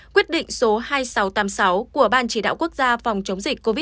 quyết định số hai nghìn sáu trăm tám mươi sáu của ban chỉ đạo quốc gia